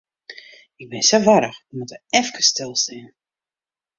Ik bin sa warch, wy moatte efkes stilstean.